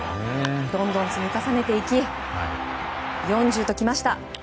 どんどん積み重ねていき４０ときました。